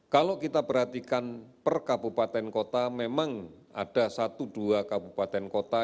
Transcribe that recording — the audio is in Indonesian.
kalau kita perhatikan per kabupaten kota memang ada satu dua kabupaten kota